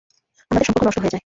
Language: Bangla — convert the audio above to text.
আমাদের সম্পর্ক নষ্ট হয়ে যায়।